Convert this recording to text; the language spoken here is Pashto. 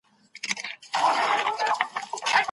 مېګرین یوه پېچلې ناروغي ده چې خلک اغېزمنوي.